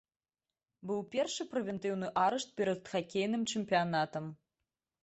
Быў першы прэвентыўны арышт перад хакейным чэмпіянатам.